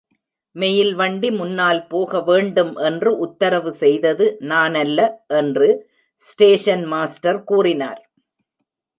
Mail வண்டி முன்னால் போக வேண்டும் என்று உத்தரவு செய்தது நானல்ல என்று ஸ்டேஷன் மாஸ்டர் கூறினார்.